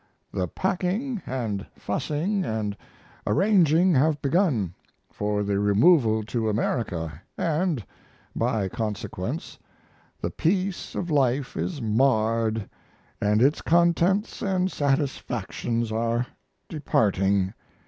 The packing & fussing & arranging have begun, for the removal to America &, by consequence, the peace of life is marred & its contents & satisfactions are departing.